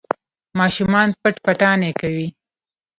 ماشومان پټ پټانې کوي.